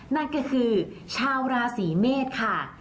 นั่นก็คือชาวราศีเมษค่ะ